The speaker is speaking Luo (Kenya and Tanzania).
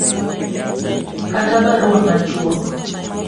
kata barua machuok